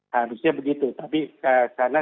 harusnya begitu tapi karena